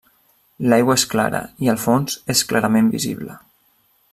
L'aigua és clara i el fons és clarament visible.